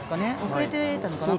遅れていたのかな？